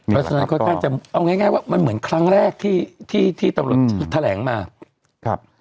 เอาง่ายง่ายว่ามันเหมือนครั้งแรกที่ที่ที่ตำรวจแถลงมาครับ